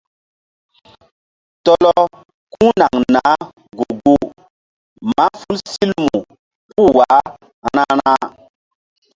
Tɔlɔ ku̧ naŋ naah gu-guh mahful si lumu puh wah ra̧.